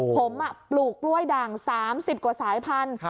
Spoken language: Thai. ผมปลูกกล้วยด่าง๓๐กว่าสายพันธุ